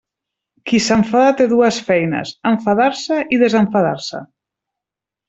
Qui s'enfada té dues feines: enfadar-se i desenfadar-se.